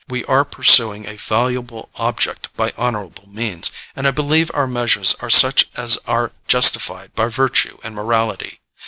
We are pursuing a valuable object by honorable means, and I believe our measures are such as are justified by virtue and morality.